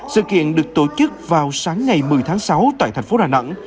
sự kiện được tổ chức vào sáng ngày một mươi tháng sáu tại thành phố đà nẵng